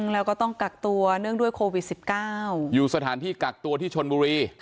แล้วก็ต้องกักตัวเนื่องด้วยโควิด๑๙อยู่สถานที่กักตัวที่ชนบุรี